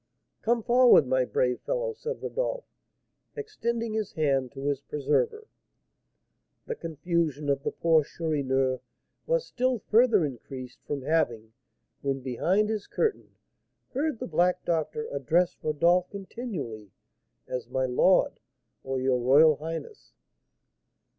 "Come forward, my brave fellow!" said Rodolph, extending his hand to his preserver. The confusion of the poor Chourineur was still further increased from having, when behind his curtain, heard the black doctor address Rodolph continually as "my lord," or "your royal highness."